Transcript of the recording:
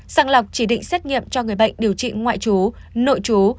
sẵn lọc chỉ định xét nghiệm cho người bệnh điều trị ngoại trú nội trú